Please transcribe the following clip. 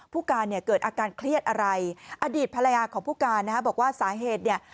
ผู้การเนี่ยเกิดอาการเครียดอะไรอดีตภรรยาของผู้การนะฮะบอกว่าสาเหตุเนี่ย